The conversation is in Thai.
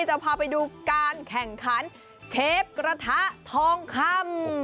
จะพาไปดูการแข่งขันเชฟกระทะทองคำ